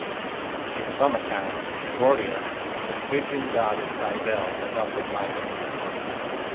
In some accounts, Gordias and the Phrygian goddess Cybele adopted Midas.